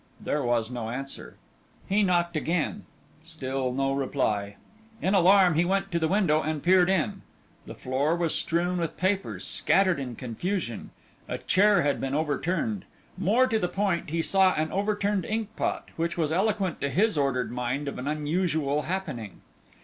There was no answer; he knocked again; still no reply. In alarm he went to the window and peered in. The floor was strewn with papers scattered in confusion. A chair had been overturned. More to the point, he saw an overturned inkpot, which was eloquent to his ordered mind of an unusual happening.